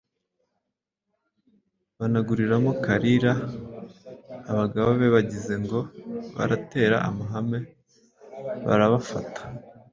banaguriramo Kalira. Abagabo be bagize ngo baratera amahane barabafata.